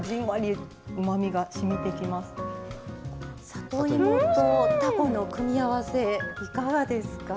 里芋とたこの組み合わせいかがですか？